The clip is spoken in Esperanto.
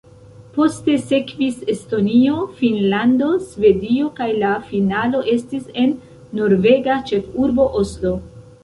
Poste sekvis Estonio, Finnlando, Svedio kaj la finalo estis en norvega ĉefurbo Oslo.